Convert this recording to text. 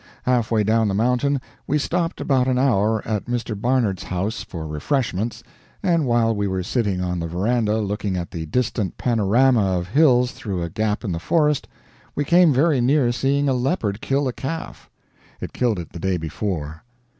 Half way down the mountain we stopped about an hour at Mr. Barnard's house for refreshments, and while we were sitting on the veranda looking at the distant panorama of hills through a gap in the forest, we came very near seeing a leopard kill a calf. [It killed it the day before.